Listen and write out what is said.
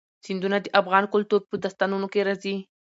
سیندونه د افغان کلتور په داستانونو کې راځي.